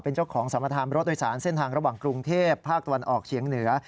เป็นเจ้าของสมทามรถโดยสารเส้นทางระหว่างกรุงเทพภาคตะวันออกเฉียงเหนือ